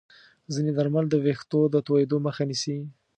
ځینې درمل د ویښتو د توییدو مخه نیسي.